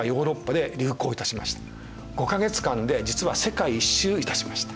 ５か月間で実は世界一周いたしました。